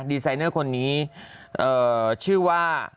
ดีไซเนอร์คนนี้ชื่อว่า